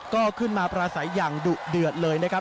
ก็ขึ้นมาประสัยอย่างดุเดือดเลยนะครับ